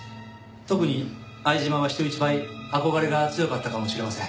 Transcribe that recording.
特に相島は人一倍憧れが強かったかもしれません。